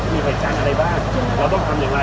กระบวนการเขาจะมีการทดสอบเหมือนอะไรว่า